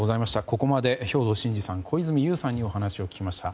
ここまで兵頭慎治さん小泉悠さんにお話を聞きました。